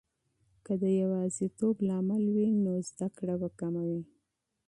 که د یواځیتوب لامل وي، نو علم به کمه وي.